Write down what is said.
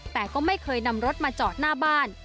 แต่ก็ไม่เคยนำรถมาจอดหน้าบ้าน